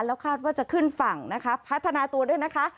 แล้วคาดว่าจะขึ้นฝั่งนะคะพัฒนาตัวด้วยนะคะ